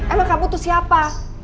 emang kamu tuh siapa